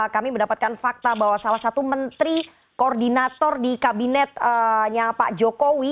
kami mendapatkan fakta bahwa salah satu menteri koordinator di kabinetnya pak jokowi